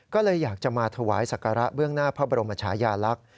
ก็เลยอยากจะมาถวายศักระเบื้องหน้าพระบรมชายาลักษณ์